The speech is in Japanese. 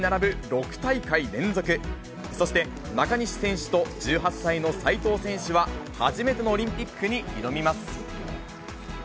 ６大会連続、そして中西選手と１８歳の斉藤選手は、初めてのオリンピックに挑みます。